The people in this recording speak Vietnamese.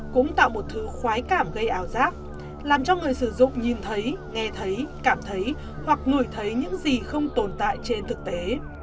cũng tạo một thứ khoái cảm gây ảo giác làm cho người sử dụng nhìn thấy nghe thấy cảm thấy hoặc ngửi thấy những gì không tồn tại trên thực tế